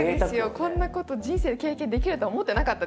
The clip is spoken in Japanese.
こんなこと人生で経験できると思ってなかったです。